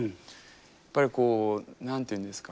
やっぱりこう何て言うんですか。